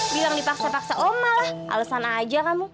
bilang dipaksa paksa oma lah alasan aja kamu